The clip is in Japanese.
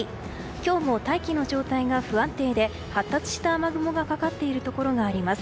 今日も大気の状態が不安定で発達した雨雲がかかっているところがあります。